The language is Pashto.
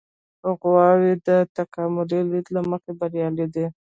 غواوې د تکاملي لید له مخې بریالۍ دي.